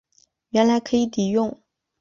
原来可以抵用